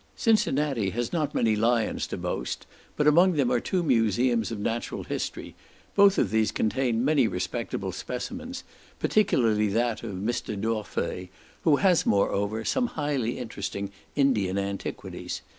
Cincinnati has not many lions to boast, but among them are two museums of natural history; both of these contain many respectable specimens, particularly that of Mr. Dorfeuille, who has moreover, some highly interesting Indian antiquities.